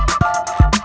kau mau kemana